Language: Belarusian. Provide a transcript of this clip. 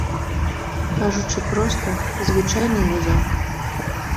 Кажучы проста, звычайны гузак.